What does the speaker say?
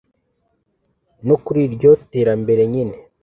no kuri iryo terambere nyine